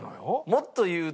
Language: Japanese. もっと言うと。